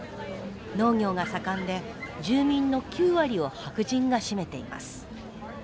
農業が盛んで住民の９割を白人が占めています。